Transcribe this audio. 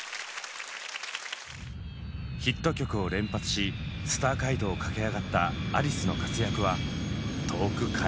ヒット曲を連発しスター街道を駆け上がったアリスの活躍は遠く海外にも。